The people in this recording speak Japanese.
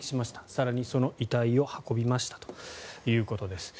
更にその遺体を運びましたということです。